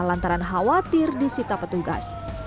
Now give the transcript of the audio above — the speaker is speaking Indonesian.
lantaran khawatir di sita petugas